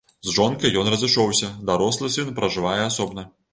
З жонкай ён разышоўся, дарослы сын пражывае асобна.